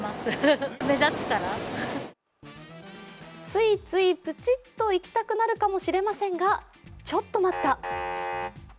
ついついプチッといきたくなるかもしれませんが、ちょっと待った！